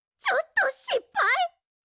ちょっとしっぱい？